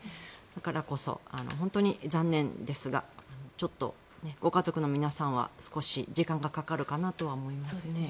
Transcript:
だからこそ本当に残念ですがちょっと、ご家族の皆さんは少し時間がかかるかなとは思います。